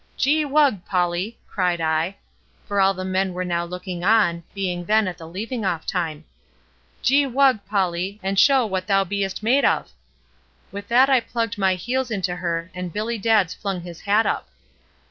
"Gee wugg, Polly!" cried I, for all the men were now looking on, being then at the leaving off time; "Gee wugg, Polly, and show what thou be'est made of." With that I plugged my heels into her, and Billy Dadds flung his hat up.